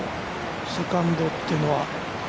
セカンドっていうのは。